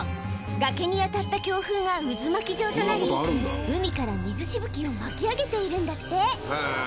崖に当たった強風が渦巻き状となり海から水しぶきを巻き上げているんだって